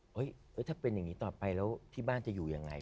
เฮ้ยถ้าเป็นอย่างนี้ต่อไปแล้วที่บ้านจะอยู่ยังไง